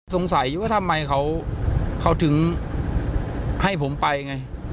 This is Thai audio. สงสัยว่าทำไมเขาถึงให้ผมไปไง